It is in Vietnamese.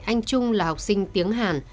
anh trung là học sinh tiếng hàn